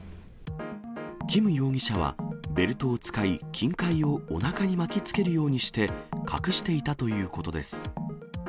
キム容疑者はベルトを使い、金塊をおなかに巻きつけるようにして、隠していたということです。